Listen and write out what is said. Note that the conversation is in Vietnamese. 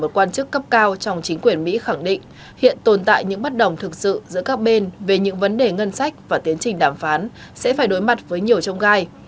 quan chức cấp cao trong chính quyền mỹ khẳng định hiện tồn tại những bất đồng thực sự giữa các bên về những vấn đề ngân sách và tiến trình đàm phán sẽ phải đối mặt với nhiều trông gai